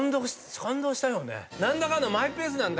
何だかんだ。